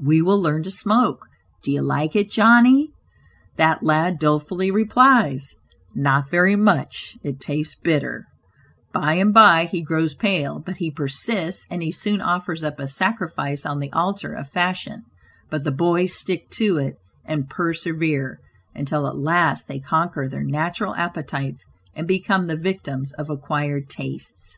"We will learn to smoke; do you like it Johnny?" That lad dolefully replies: "Not very much; it tastes bitter;" by and by he grows pale, but he persists and he soon offers up a sacrifice on the altar of fashion; but the boys stick to it and persevere until at last they conquer their natural appetites and become the victims of acquired tastes.